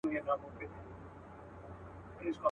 د انارګل او نارنج ګل او ګل غونډیو راځي.